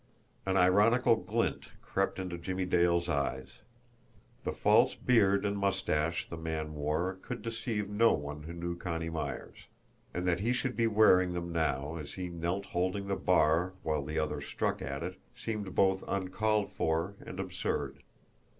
An ironical glint crept into Jimmie Dale's eyes. The false beard and mustache the man wore would deceive no one who knew Connie Myers! And that he should be wearing them now, as he knelt holding the bar while the other struck at it, seemed both uncalled for and absurd.